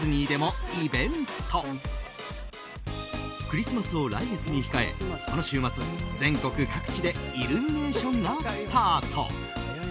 クリスマスを来月に控えこの週末、全国各地でイルミネーションがスタート。